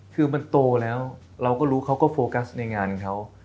คือมันโตแล้วเราก็รู้เขาก็โฟกัสในงานเขา